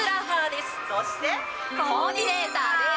コーディネーターです。